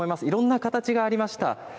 いろんな形がありました。